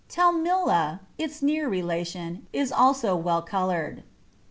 Tellima, its near relation, is also well coloured.